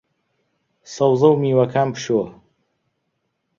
سەوزە و میوەکان بشۆ